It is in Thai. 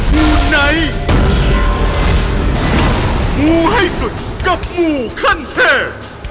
มูไหนมูให้สุดกับมูคันแทน